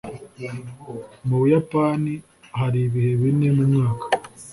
Mu Buyapani hari ibihe bine mu mwaka.